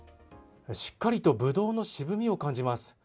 しっかりとぶどうの渋みを感じます。